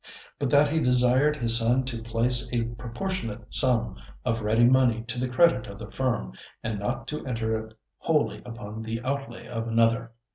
But that he desired his son to place a proportionate sum of ready money to the credit of the firm, and not to enter it wholly upon the outlay of another.